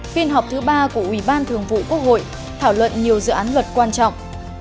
phiên họp thứ ba của ủy ban thường vụ quốc hội thảo luận nhiều dự án luật quan trọng